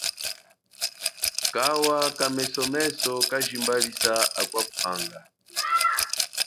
Kawa kamesomeso kajimbalisa akwa kuhanga.